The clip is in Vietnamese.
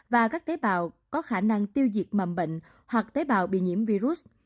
và các tế bào có khả năng tiêu diệt mầm bệnh hoặc tế bào bị nhiễm virus